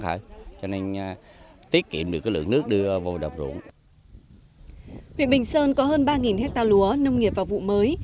huyện bình sơn có hơn ba hectare lúa nông nghiệp vào vụ mới